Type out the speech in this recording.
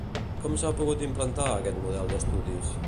Com s'ha pogut implantar aquest model d'estudis?